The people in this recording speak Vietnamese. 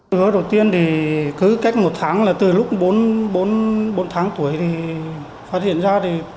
thứ đầu tiên thì cứ cách một tháng là từ lúc bốn tháng tuổi thì phát hiện ra